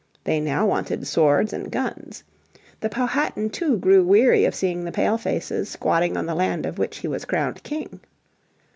They now wanted swords and guns. The Powhatan too grew weary of seeing the Pale faces squatting on the land of which he was crowned king.